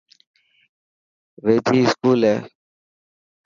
ويجھي اسڪول هي.